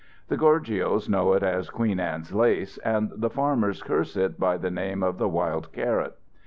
The gorgios know it as Queen Ann's lace, and the farmers curse it by the name of the wild carrot.